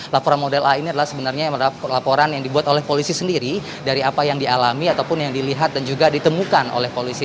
laporan model a ini adalah sebenarnya laporan yang dibuat oleh polisi sendiri dari apa yang dialami ataupun yang dilihat dan juga ditemukan oleh polisi